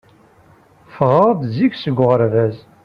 Ffɣeɣ-d zik seg uɣerbaz.